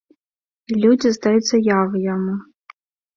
І людзі здаюць заявы яму.